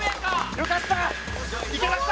よかった。